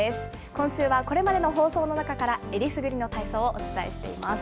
今週はこれまでの放送の中からえりすぐりの体操をお伝えしています。